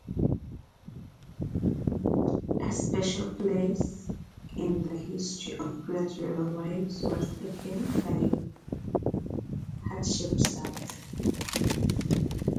A special place in the history of great royal wives was taken by Hatshepsut.